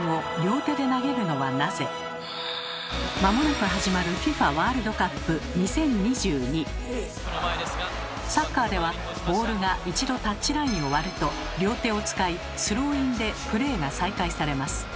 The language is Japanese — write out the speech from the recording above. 間もなく始まるサッカーではボールが一度タッチラインを割ると両手を使いスローインでプレーが再開されます。